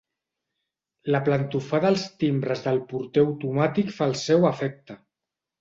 La plantofada als timbres del porter automàtic fa el seu efecte.